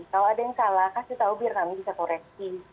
kalau ada yang salah kasih tau biar kami bisa koreksi